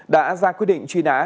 đã ra quyết định truy nã